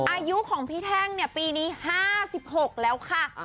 อายุของพี่แท่งเนี่ยปีนี้๕๖แล้วค่ะ